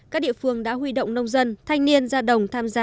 các địa phương đã huy động nông dân thanh niên ra đồng tham gia